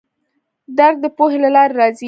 درک د پوهې له لارې راځي.